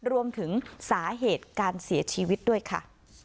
รวมถึงสาเหตุการเสียชีวิตด้วยค่ะ